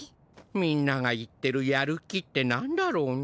みんなが言ってる「やる気」ってなんだろうな。